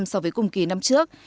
so với cùng kỳ năm trước